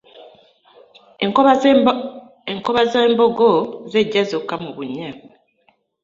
Enkoba z'embogo z'eggya zokka mu bunnya .